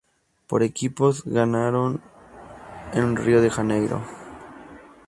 Por equipos, ganaron en Río de Janeiro.